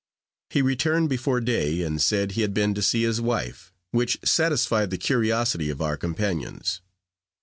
He returned before day, and said he had been to see his wife, which satisfied the curiosity of our companions.